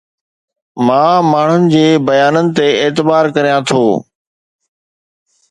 مان ماڻهن جي بيانن تي اعتبار ڪريان ٿو